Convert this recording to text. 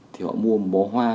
thì họ mua một bó hoa